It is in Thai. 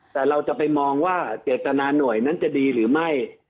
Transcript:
แต่เราจะไปมองว่าเจตนาหน่วยนั้นจะดีหรือไม่